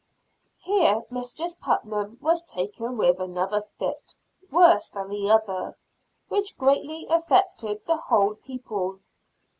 Here Mistress Putnam was taken with another fit. Worse than the other, which greatly affected the whole people.